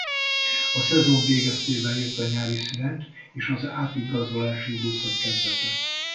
A szezon végeztével jött a nyári szünet és az átigazolási időszak kezdete.